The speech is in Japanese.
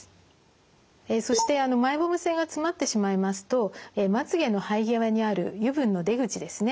そしてマイボーム腺が詰まってしまいますとまつげの生え際にある油分の出口ですね